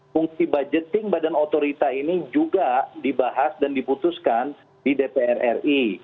fungsi budgeting badan otorita ini juga dibahas dan diputuskan di dpr ri